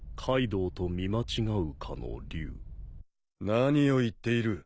・何を言っている。